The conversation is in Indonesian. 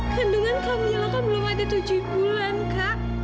kandungan kamilo kan belum ada tujuh bulan kak